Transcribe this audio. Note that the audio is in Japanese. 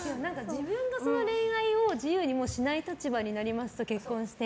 自分の恋愛を自由にしない立場になりますと結婚して。